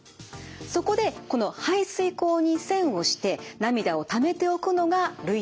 そこでこの排水口に栓をして涙をためておくのが涙点プラグです。